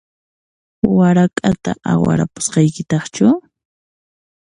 Warak'ata awarapusqaykitaqchu?